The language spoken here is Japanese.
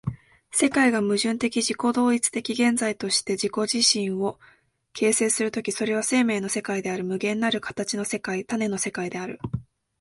世界が矛盾的自己同一的現在として自己自身を形成する時、それは生命の世界である、無限なる形の世界、種の世界である。